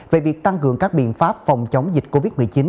về việc tăng cường các biện pháp phòng chống dịch covid một mươi chín